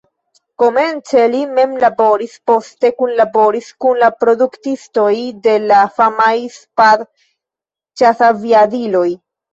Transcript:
Komence li mem laboris, poste kunlaboris kun la produktistoj de la famaj Spad-ĉasaviadiloj.